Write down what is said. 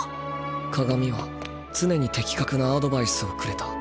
鏡は常に的確なアドバイスをくれた